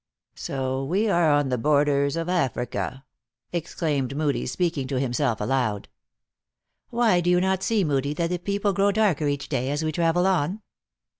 "So we are on the borders of Africa!" exclaimed Moodie, speaking to himself aloud. " Why, do you not see Moodie, that the people grow darker, each day, as we travel on